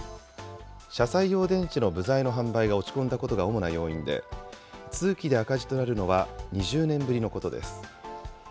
車載用電池の部材の販売が落ち込んだことが主な要因で、通期で赤字となるのは２０年ぶりのことです。